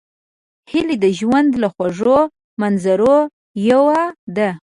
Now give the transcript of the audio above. هیلۍ د ژوند له خوږو منظرو یوه ده